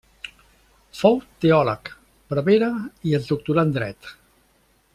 Fou teòleg, prevere i es doctorà en dret.